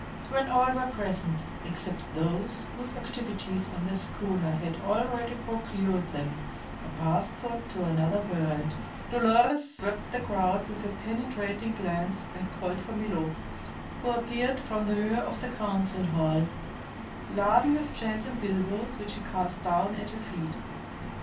When all were present, except those whose activities on the schooner had already procured them a passport to another world, Dolores swept the crowd with a penetrating glance and called for Milo, who appeared from the rear of the council hall laden with chains and bilboes which he cast down at her feet.